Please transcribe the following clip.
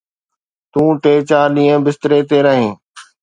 تون ٽي چار ڏينهن بستري تي رهين.